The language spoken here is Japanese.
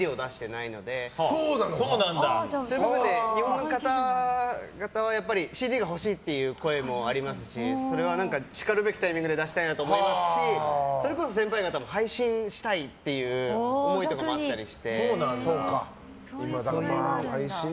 なので日本の方々はＣＤが欲しいという方もありますしそれはしかるべきタイミングで出したいなと思いますしそれこそ先輩方も配信したいという思いとかもあったりして。